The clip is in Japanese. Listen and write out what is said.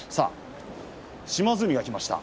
島津海が来ました。